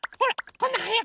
こんなはやく。